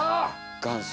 元祖。